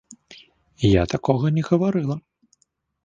Я такога не гаварыла.